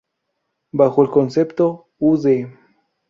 Bajo el concepto "Ud.